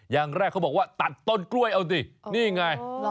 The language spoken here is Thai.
อย่างแรกเขาบอกว่าตัดต้นกล้วยเอาสินี่ไง